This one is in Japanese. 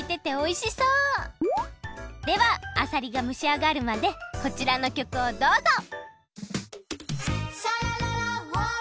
ではあさりがむしあがるまでこちらのきょくをどうぞ！